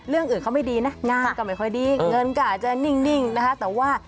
เรื่องอื่นเขาไม่ดีนะงานก็ไม่ค่อยดีเงินก็อาจจะนิ่งนะคะแต่ว่า